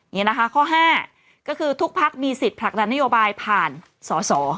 นี่นะคะข้อ๕ก็คือทุกพักมีสิทธิ์ผลักดันนโยบายผ่านสอสอ